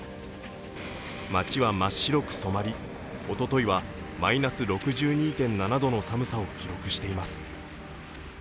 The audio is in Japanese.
町は真っ白く染まりおとといはマイナス６２．７度の寒さを記録しています。